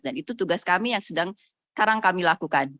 dan itu tugas kami yang sedang sekarang kami lakukan